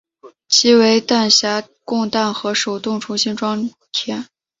其为弹匣供弹和手动重新装填。